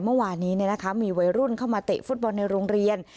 มีวัยรุ่นเข้ามาเตะฟุตบอลในโรงเรียน